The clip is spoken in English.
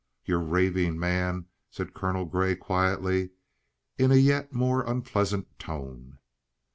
"You're raving, man," said Colonel Grey quietly, in a yet more unpleasant tone.